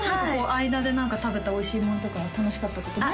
間で食べたおいしいものとか楽しかったことない？